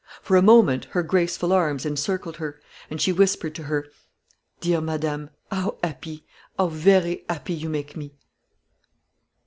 For a moment her graceful arms encircled her, and she whispered to her, "Dear madame, how happy how very happy you make me."